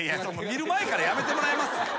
見る前からやめてもらえます？